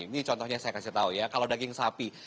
ini contohnya saya kasih tahu ya kalau daging sapi